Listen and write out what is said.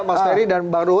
mas ferry dan bang ruhu